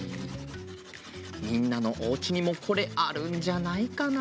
みんなのおうちにもこれあるんじゃないかな。